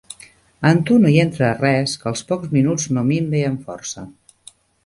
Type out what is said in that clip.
En tu no hi entra res que als pocs minuts no minve en força.